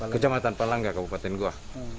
kecamatan palanga kabupaten goa